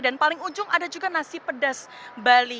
dan paling ujung ada juga nasi pedas bali